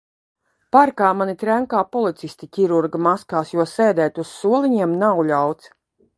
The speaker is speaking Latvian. Parkā mani trenkā policisti ķirurga maskās, jo sēdēt uz soliņiem nav ļauts.